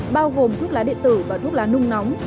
bao gồm thuốc lá điện tử và thuốc lá nung nóng